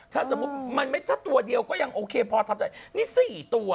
ถ้าสมมุติมันไม่ถ้าตัวเดียวก็ยังโอเคพอทำได้นี่๔ตัว